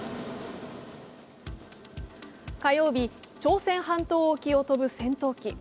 火曜日、朝鮮半島沖を飛ぶ戦闘機。